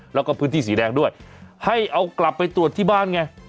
แล้วก็พื้นที่สีแดงด้วยให้เอากลับไปตรวจที่บ้านไง